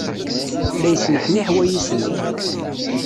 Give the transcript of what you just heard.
La yesneḥniḥ wayis-nni.